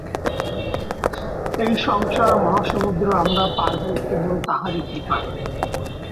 এই সংসার-মহাসমুদ্র আমরা পার হই কেবল তাঁহারই কৃপায়।